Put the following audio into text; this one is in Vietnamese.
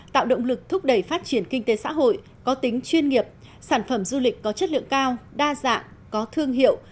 tạo động lực thúc đẩy phát triển kinh tế xã hội có tính chuyên nghiệp sản phẩm du lịch có chất lượng cao đa dạng có thương hiệu